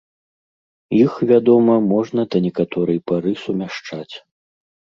Іх, вядома, можна да некаторай пары сумяшчаць.